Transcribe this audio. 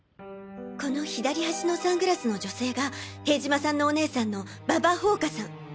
この左端のサングラスの女性が塀島さんのお姉さんの馬場宝華さん。